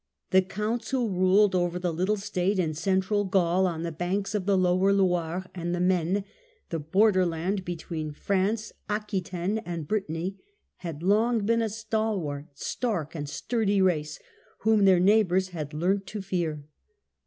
The counts who ruled over the little state in central Gaul on the banks of the lower Loire and the Maine, — ^the borderland between France, Aquitaine and Brittany, — had long been a stalwart, stark, and sturdy race, whom their neighbours had learnt to fear.